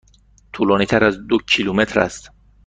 طولانی تر از دو کیلومتر است.